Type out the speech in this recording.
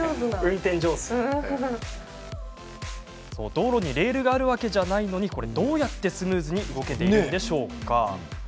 道路にレールがあるわけじゃないのにどうやってスムーズに動けているのでしょうか。